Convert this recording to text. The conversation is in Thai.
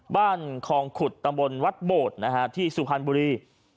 คลองขุดตำบลวัดโบดนะฮะที่สุพรรณบุรี